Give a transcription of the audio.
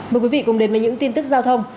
mời quý vị cùng đến với những tin tức giao thông